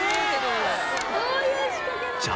どういう仕掛けなの？